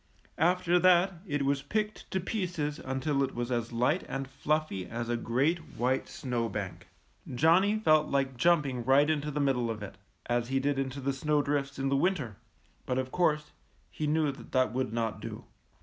After that it was picked to pieces until it was as light and fiuffy as a great white snow bank. Johnny felt like jumping right into the middle of it, as he did into the snowdrifts in the winter; but, of course, he knew that that would not do.